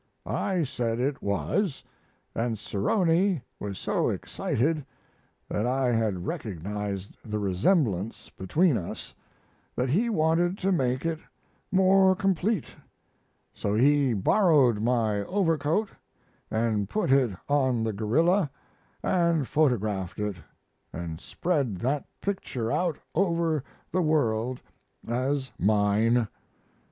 I said it was, and Sarony was so excited that I had recognized the resemblance between us, that he wanted to make it more complete, so he borrowed my overcoat and put it on the gorilla and photographed it, and spread that picture out over the world as mine.